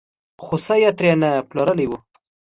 خوسی یې ترې نه پلورلی و.